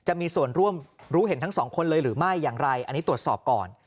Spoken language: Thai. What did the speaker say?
จะมีส่วนร่วมรู้เห็นทั้งสองคนเลยหรือไม่อย่างไรอันนี้ตรวจสอบก่อน